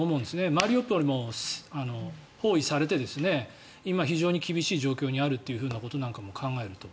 マリウポリも包囲されて今、非常に厳しい状況にあるなんてことも考えると。